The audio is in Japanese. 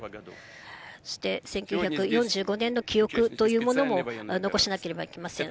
そして１９４５年の記憶というものも残さなければいけません。